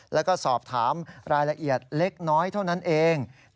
แล้วก็สอบถามรายละเอียดเล็กน้อยเท่านั้นเอง